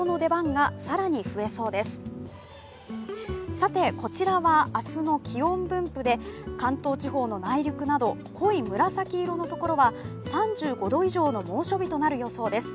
さて、こちらは明日の気温分布で関東地方の内陸など濃い紫色のところは３５度以上の猛暑日となる予想です。